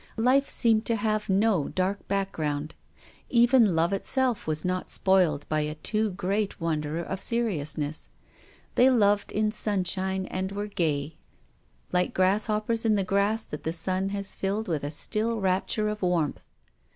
Life seemed to have no dark background. Even love itself was not spoiled by a too great wonder of seriousness. They loved in sunshine and were gay — like grass "WILLIAM FOSTER. 12$ hoppers in the grass that the sun has filled with a still rapture of warmth.